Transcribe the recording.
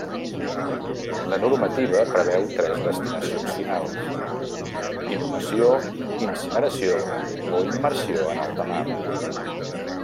La normativa preveu tres destinacions finals: inhumació, incineració o immersió en alta mar.